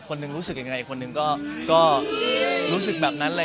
คนหนึ่งรู้สึกอย่างไรอีกคนหนึ่งก็รู้สึกแบบนั้น